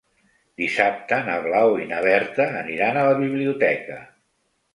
Dissabte na Blau i na Berta aniran a la biblioteca.